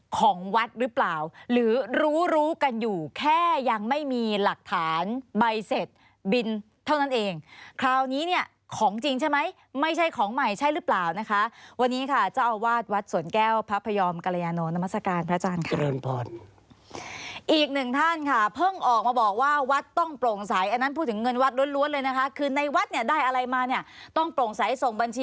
ของวัดหรือเปล่าหรือรู้รู้กันอยู่แค่ยังไม่มีหลักฐานใบเสร็จบินเท่านั้นเองคราวนี้เนี่ยของจริงใช่ไหมไม่ใช่ของใหม่ใช่หรือเปล่านะคะวันนี้ค่ะเจ้าอาวาสวัดสวนแก้วพระพยอมกรยาโนนามัศกาลพระอาจารย์ค่ะอีกหนึ่งท่านค่ะเพิ่งออกมาบอกว่าวัดต้องโปร่งใสอันนั้นพูดถึงเงินวัดล้วนเลยนะคะคือในวัดเนี่ยได้อะไรมาเนี่ยต้องโปร่งใสส่งบัญชี